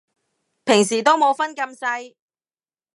平時都冇分咁細